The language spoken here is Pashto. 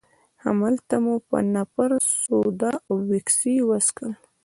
هماغلته مو په نفر سوډا او ویسکي وڅښل.